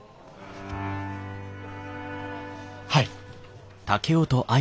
はい。